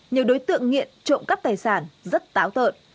nhiều đối tượng nghiện trụng cấp tài sản rất táo tợn